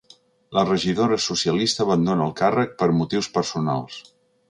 La regidora socialista abandona el càrrec ‘per motius personals’.